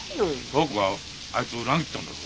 響子はあいつを裏切ったんだぞ。